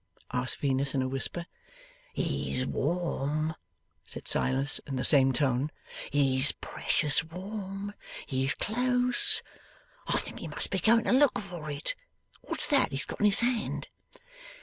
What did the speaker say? asked Venus in a whisper. 'He's warm,' said Silas in the same tone. 'He's precious warm. He's close. I think he must be going to look for it. What's that he's got in his hand?